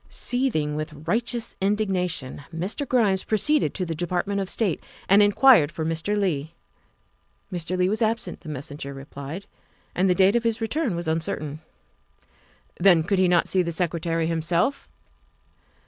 Seething with righteous indignation, Mr. Grimes pro ceeded to the Department of State and inquired for Mr. Leigh. Mr. Leigh was absent, the messenger replied, and the date of his return was uncertain. Then, could he not see the Secretary himself?